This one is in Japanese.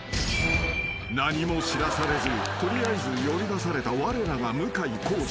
［何も知らされず取りあえず呼び出されたわれらが向井康二］